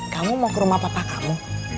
kamu mau ke rumah papa kamu